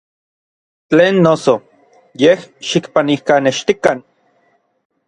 Tlen noso, yej xikpanijkanextikan.